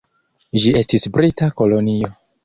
Ĝi estis brita kolonio.